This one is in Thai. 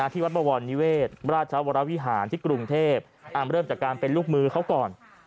ที่วัดบวรนิเวศราชวรวิหารที่กรุงเทพเริ่มจากการเป็นลูกมือเขาก่อน